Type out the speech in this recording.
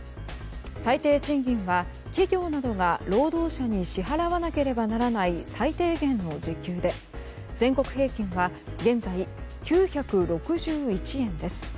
最低賃金は、企業などが労働者に支払わなければならない最低限の時給で全国平均は現在９６１円です。